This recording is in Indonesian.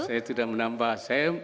saya tidak menambahkan